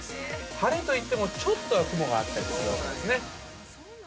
晴れといっても、ちょっとは雲があったりするわけですね。